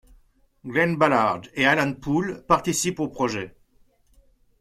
Glen Ballard et Alan Poul participent au projet.